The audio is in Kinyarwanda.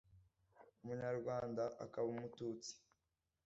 umunyarwanda akaba umututsi